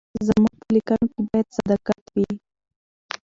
زموږ په لیکنو کې باید صداقت وي.